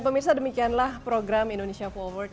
pemirsa demikianlah program indonesia forward